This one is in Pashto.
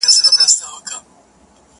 کلونه واوښتل عمرونه تېر سول-